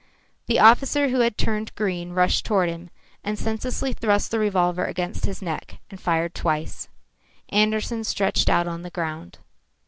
The officer, who had turned green, rushed toward him, and senselessly thrust the revolver against his neck, and fired twice. Andersen stretched out on the ground.